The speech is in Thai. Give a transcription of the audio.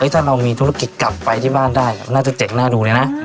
ถ้าเรามีธุรกิจกลับไปได้มันน่าจะเจ๋งหน้าดูเลยนะ